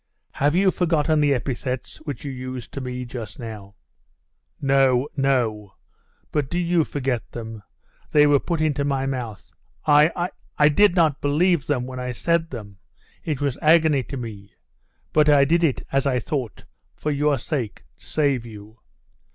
'Have you forgotten the epithets which you used to me just now?' 'No, no! But do you forget them; they were put into my mouth. I I did not believe them when I said them. It was agony to me; but I did it, as I thought, for your sake to save you.